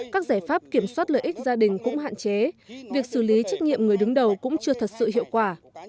các giải pháp kiểm soát lợi ích gia đình cũng hạn chế việc xử lý trách nhiệm người đứng đầu cũng chưa thật sự hiệu quả